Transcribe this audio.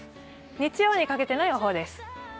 日曜にかけての予報です。